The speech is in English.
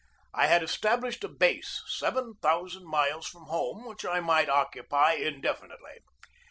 I had established a base seven thousand miles from home which I might occupy in definitely.